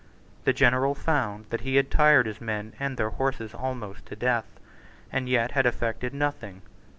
The general found that he had tired his men and their horses almost to death, and yet had effected nothing.